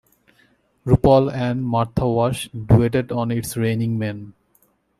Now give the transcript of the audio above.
RuPaul and Martha Wash duetted on It's Raining Men...